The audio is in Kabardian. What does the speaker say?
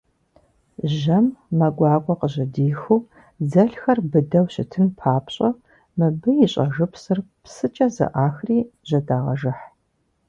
Жьэм мэ гуакӏуэ къыжьэдихыу, дзэлхэр быдэу щытын папщӏэ, мыбы и щӏэжыпсыр псыкӏэ зэӏахри жьэдагъэжыхь.